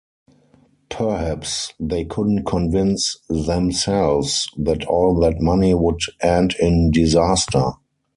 Perhaps they couldn't convince themselves that all that money would end in disaster.